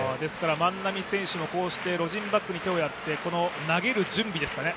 万波選手もこうしてロジンバッグに手をやって投げる準備ですかね。